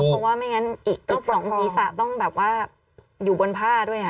เพราะว่าไม่งั้นอีกสองศีรษะต้องแบบว่าอยู่บนผ้าด้วย